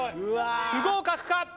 不合格か？